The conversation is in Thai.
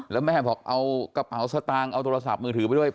แล้วแม่บอกเอากระเป๋าสตางค์เอาโทรศัพท์มือถือไปด้วย